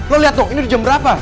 lo lihat dok ini di jam berapa